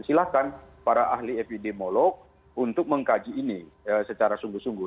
silahkan para ahli epidemiolog untuk mengkaji ini secara sungguh sungguh